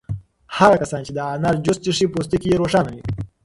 هغه کسان چې د انار جوس څښي پوستکی یې روښانه وي.